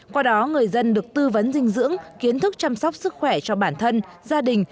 qua đó người dân được tư vấn dinh dưỡng kiến thức chăm sóc sức khỏe cho bản thân gia đình